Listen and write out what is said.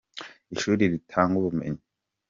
Ishuri ritanga ubumenyi.